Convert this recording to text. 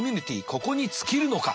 ここに尽きるのか。